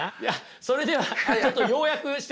それではちょっと要約してみましょう。